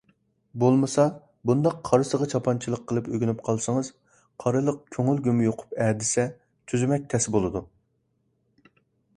بولمىسا، بۇنداق قارىسىغا چاپانچىلىق قىلىپ ئۆگىنىپ قالسىڭىز قارىلىق كۆڭۈلگىمۇ يۇقۇپ ئەدىسە تۈزىمەك تەس بولىدۇ.